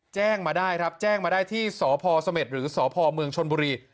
แจ้งมาได้ที่สสเมษหรือสเมืองชนบุรี